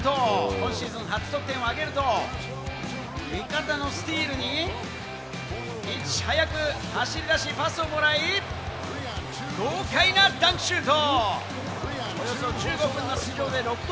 今シーズン初得点を挙げると、味方のスティールに、いち早く走り出し、パスをもらい、豪快なダンクシュート！